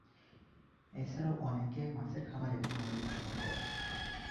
এছাড়াও অনেকে মাছের খামার ও মুরগীর খামার করেন।